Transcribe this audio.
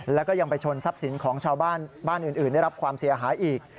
แล้วก็ยังไปชนทรัพย์สินของชาวบ้านบ้านอื่นได้รับความเสียหายอีก